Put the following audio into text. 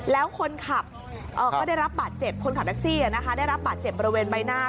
แล้วคนขับก็ได้รับบาดเจ็บคนขับแท็กซี่ได้รับบาดเจ็บบริเวณใบหน้า